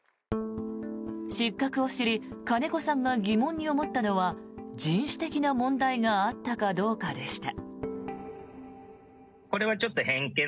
失格を知り金子さんが疑問に思ったのは人種的な問題があったかどうかでした。